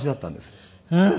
うん。